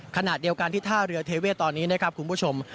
ขณะเดียวกันที่ท่าเรือเทเวศตอนนี้นะครับคุณผู้ชม